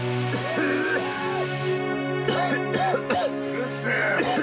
うるせえ！